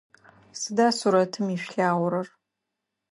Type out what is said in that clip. Сыда сурэтым ишъулъагъорэр?